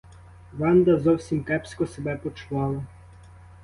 Ванда зовсім кепсько себе почувала.